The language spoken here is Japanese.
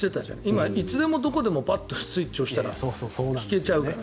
今、いつでもどこでもスイッチを押したら聴けちゃうから。